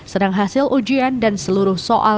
sedang hasil ujian dan seluruh soal